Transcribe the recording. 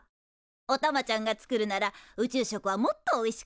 おたまちゃんが作るなら宇宙食はもっとおいしくなるわね。